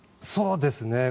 そうですね。